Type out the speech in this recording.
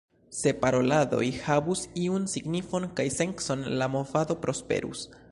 Se paroladoj havus iun signifon kaj sencon, la movado prosperus.